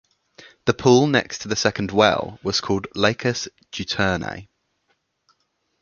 The pool next to the second well was called Lacus Juturnae.